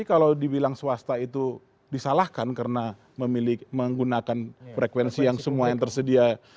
kalau dibilang swasta itu disalahkan karena menggunakan frekuensi yang semua yang tersedia